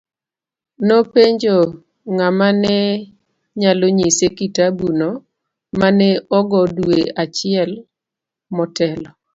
Nopenjo ng'ama ne nyalo nyise kitabuno ma ne ogo dwe achiel motelo.